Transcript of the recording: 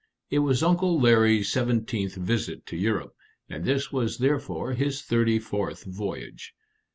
It was Uncle Larry's seventeenth visit to Europe, and this was therefore his thirty fourth voyage.